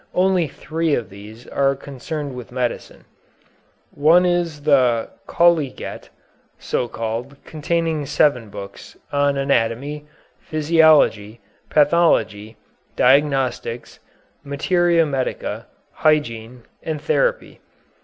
Only three of these are concerned with medicine. One is the "Colliget," so called, containing seven books, on anatomy, physiology, pathology, diagnostics, materia medica, hygiene, and therapy.